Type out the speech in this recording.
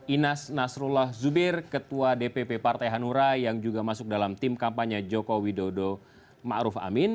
inas nasrullah zubir ketua dpp partai hanura yang juga masuk dalam tim kampanye joko widodo ⁇ maruf ⁇ amin